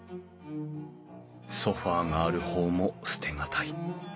ソファーがある方も捨て難い。